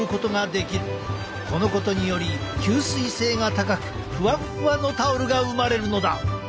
このことにより吸水性が高くふわふわのタオルが生まれるのだ！